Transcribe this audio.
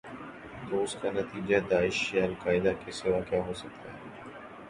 تواس کا نتیجہ داعش یا القاعدہ کے سوا کیا ہو سکتا ہے؟